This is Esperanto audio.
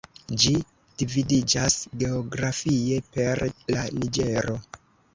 Ĝi dividiĝas geografie per la Niĝero.